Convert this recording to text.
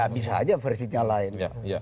bisa saja versinya lain